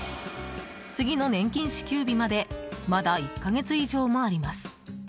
次の年金支給日までまだ１か月以上もあります。